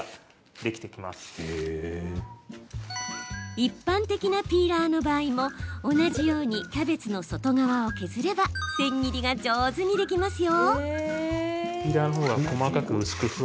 一般的なピーラーの場合も同じようにキャベツの外側を削ればせん切りが上手にできますよ。